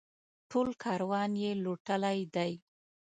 ټول کاروان یې لوټلی دی.